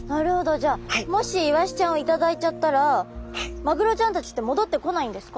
じゃあもしイワシちゃんを頂いちゃったらマグロちゃんたちって戻ってこないんですか？